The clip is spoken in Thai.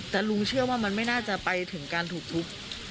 แต่ลุงเชื่อว่ามันไม่น่าจะไปถึงการถูกทุบ